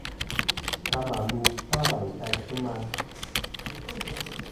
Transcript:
Ka mà lu ka wàyn taysɨ ma.